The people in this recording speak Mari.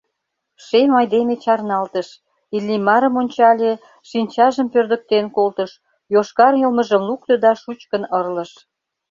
Шем айдеме чарналтыш, Иллимарым ончале, шинчажым пӧрдыктен колтыш, йошкар йылмыжым лукто да шучкын ырлыш.